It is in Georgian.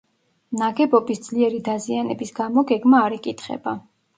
ნაგებობის ძლიერი დაზიანების გამო გეგმა არ იკითხება.